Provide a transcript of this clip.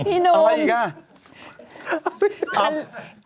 พี่นุ่มอะไรอีกน่ะ